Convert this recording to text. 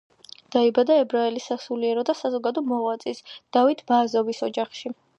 დაიბადა ებრაელი სასულიერო და საზოგადო მოღვაწის დავით ბააზოვის ოჯახში.